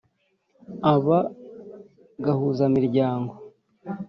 uba gahuzamiryango